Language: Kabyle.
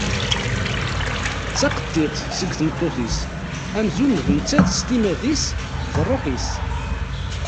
D taqeṭṭiḍt seg tmeṭṭut-is amzun d nettat s timmad-is d ṛṛuḥ-is.